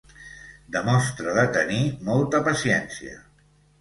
Demostra de tenir molta paciència.